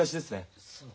そう。